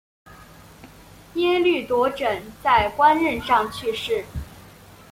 耶律铎轸在官任上去世。